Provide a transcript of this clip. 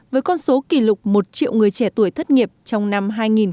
với con số kỷ lục một triệu người trẻ tuổi thất nghiệp trong năm hai nghìn một mươi chín